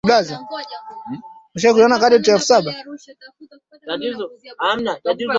Ni baada ya uchaguzi wa mwaka elfu mbili na kumi